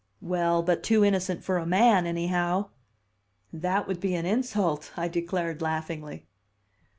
"Well, but too innocent for a man, anyhow." "That would be an insult," I declared laughingly.